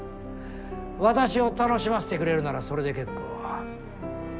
私を楽しませてくれるならそれで結構。